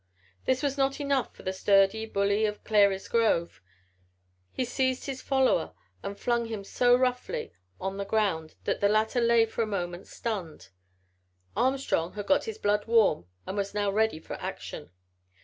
This was not enough for the sturdy bully of Clary's Grove. He seized his follower and flung him so roughly on the ground that the latter lay for a moment stunned. Armstrong had got his blood warm and was now ready for action.